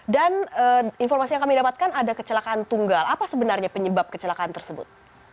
informasi yang kami dapatkan ada kecelakaan tunggal apa sebenarnya penyebab kecelakaan tersebut